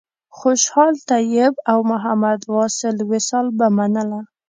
خوشحال طیب او محمد واصل وصال به منله.